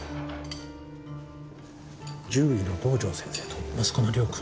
獣医の堂上先生と息子の亮君。